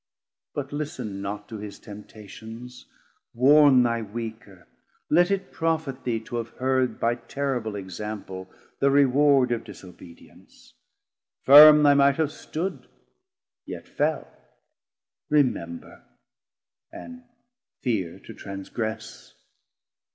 But list'n not to his Temptations, warne Thy weaker; let it profit thee to have heard By terrible Example the reward 910 Of disobedience; firm they might have stood, Yet fell; remember, and fear to transgress.